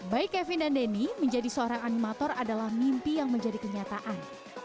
baik kevin dan denny menjadi seorang animator adalah mimpi yang menjadi kenyataan